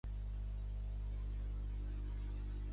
Doss va tornar a començar "The Sunshine Fix".